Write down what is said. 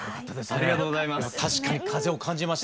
ありがとうございます。